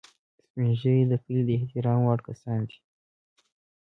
سپین ږیری د کلي د احترام وړ کسان دي